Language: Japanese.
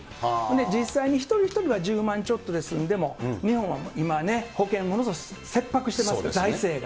実際に一人一人は１０万ちょっとで済んでも、日本は今ね、保険ものすごく切迫してますから、財政が。